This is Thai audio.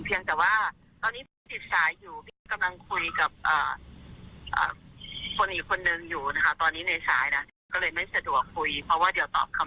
เพียงแต่ว่าตอนนี้พี่ติดสายอยู่พี่กำลังคุยกับคนอีกคนนึงอยู่นะคะ